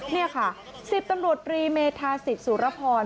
นี่ค่ะ๑๐ตำรวจรีเมธาสิทธิสุรพร